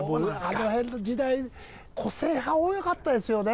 あの辺の時代個性派多かったですよね。